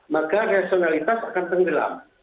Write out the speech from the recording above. maka personalitas akan tenggelam